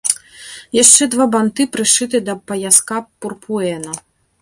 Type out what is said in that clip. Яшчэ два банты прышыты да паяска пурпуэна.